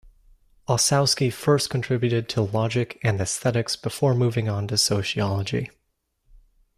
Ossowski first contributed to logic and aesthetics before moving on to sociology.